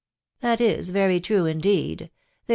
" That is very true, indeed !.... There, t?